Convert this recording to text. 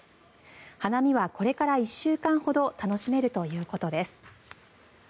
花見はこれから１週間ほど楽しめるということです。